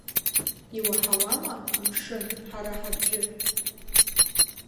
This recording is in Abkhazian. Иуаҳауама, амшын, ҳара ҳабжьы?